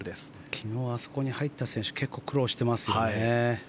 昨日、あそこに入った選手結構苦労していますよね。